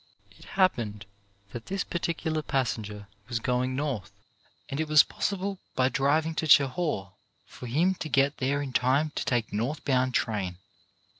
It happened that this particular passenger was going north, and it was possible by driving to Chehaw for him to get there in time to take the north bound train.